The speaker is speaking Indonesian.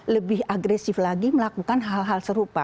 lebih agresif lagi melakukan hal hal serupa